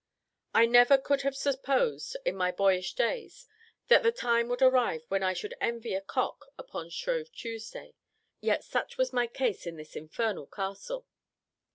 I never could have supposed, in my boyish days, that the time would arrive when I should envy a cock upon Shrove Tuesday; yet such was my case when in this infernal castle.